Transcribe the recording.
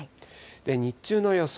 日中の予想